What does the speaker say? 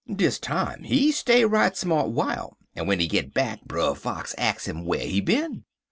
"Dis time he stay right smart w'ile, en w'en he git back Brer Fox ax him whar he bin.